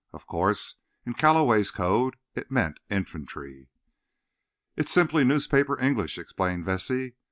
Of course, in Calloway's code it meant infantry. "It's simply newspaper English," explained Vesey.